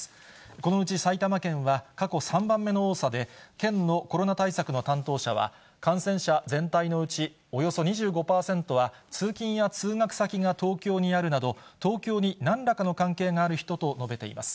このうち埼玉県は過去３番目の多さで、県のコロナ対策の担当者は、感染者全体のうちおよそ２５％は通勤や通学先が東京にあるなど、東京になんらかの関係がある人と述べています。